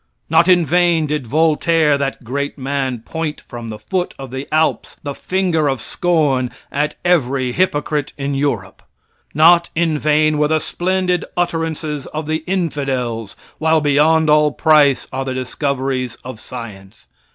Not in vain did Voltaire, that great man, point from the foot of the Alps, the finger of scorn at every hypocrite in Europe. Not in vain were the splendid utterances of the infidels, while beyond all price are the discoveries of science.